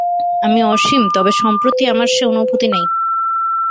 আমি অসীম, তবে সম্প্রতি আমার সে অনুভূতি নাই।